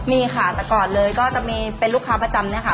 มีค่ะแต่ก่อนเลยก็จะมีเป็นลูกค้าประจำเนี่ยค่ะ